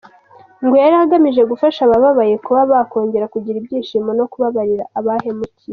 Ngo yari agamije gufasha abababaye kuba bakongera kugira ibyishimo no kubabarira ababahemukiye.